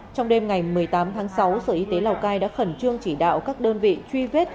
trong đêm ngày một mươi tám tháng sáu sở y tế lào cai đã khẩn trương chỉ đạo các đơn vị truy vết